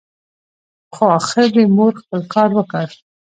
خو اخر دي مور خپل کار وکړ !